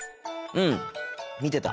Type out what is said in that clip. うん見てた。